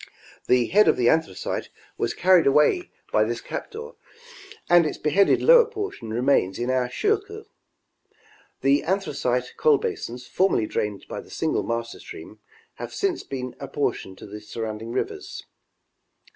The head of the Anthracite was carried away by this captor, and its beheaded lower portion remains in our Schuylkill. The Anthracite coal basins, formerly drained by the single master stream, have since been apportioned to the surrounding rivers.